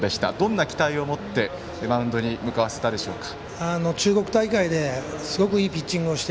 どんな期待を持ってマウンドに向かわせたでしょうか？